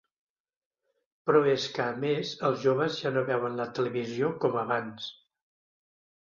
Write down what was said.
Però és que a més els joves ja no veuen la televisió com abans.